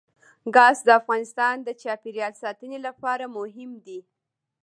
ګاز د افغانستان د چاپیریال ساتنې لپاره مهم دي.